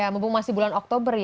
mumpung masih bulan oktober